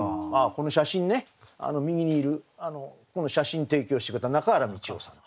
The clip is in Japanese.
この写真ね右にいるこの写真提供してくれた中原道夫さん。